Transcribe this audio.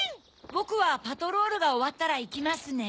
ボクはパトロールがおわったらいきますね。